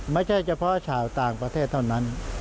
ไม่ใช่เฉพาะชาวต่างประเทศเท่านั้น